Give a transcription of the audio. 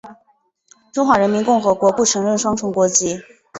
中华人民共和国不承认双重国籍。